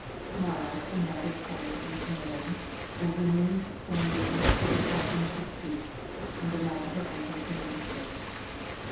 smiled and nodded silently to Mary, and remained standing till the coughing should cease, and allow her uncle to notice her.